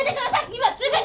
今すぐに！